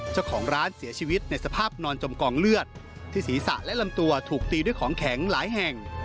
เจ้าของร้านเสียชีวิตในสภาพนอนจมกองเลือดที่ศีรษะและลำตัวถูกตีด้วยของแข็งหลายแห่ง